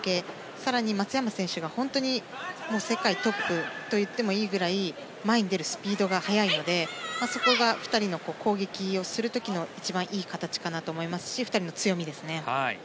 更に、松山選手が世界トップと言ってもいいぐらい前に出るスピードが速いのでそこが２人の攻撃をする時の一番いい形かなと思いますし２人の強みですね。